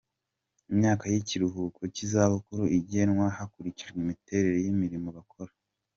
imyaka y’ikiruhuko cy’izabukuru igenwa hakurikijwe imiterere y’imirimo bakora.